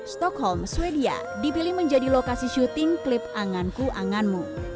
stockholm swedia dipilih menjadi lokasi syuting klip anganku anganmu